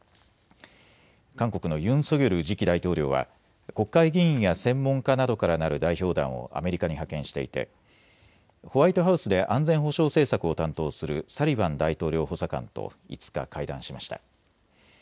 韓国のユン・ソギョル次期大統領は国会議員や専門家などからなる代表団をアメリカに派遣していてホワイトハウスで安全保障政策を担当するサリバン大統領補佐官と５日、会談しました。